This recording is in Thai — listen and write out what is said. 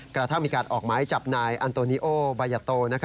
กระทั่งมีการออกหมายจับนายอันโตนิโอบายะโต